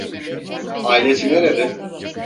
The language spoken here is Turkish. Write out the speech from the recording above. Ailesi nerede?